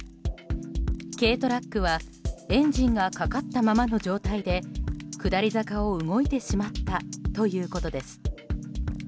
軽トラックはエンジンがかかったままの状態で下り坂を動いてしまったということです。